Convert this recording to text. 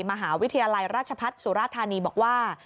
มหาวิทยาลัยราชพัฒน์สุราธานีบอกว่า